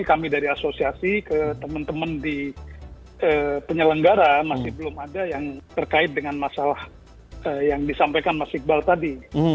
kami dari asosiasi ke teman teman di penyelenggara masih belum ada yang terkait dengan masalah yang disampaikan mas iqbal tadi